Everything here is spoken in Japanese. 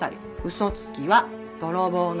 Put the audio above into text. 嘘つきは泥棒の始まり。